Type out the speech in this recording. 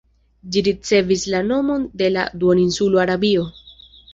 Ĝi ricevis la nomon de la duoninsulo Arabio.